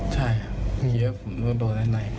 ใช่ครับคิดว่าผมโดนอะไร